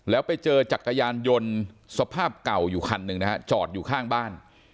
แล้วไปเจอจักรยานยนต์สภาพเก่าอยู่คันหนึ่งนะฮะจอดอยู่ข้างบ้าน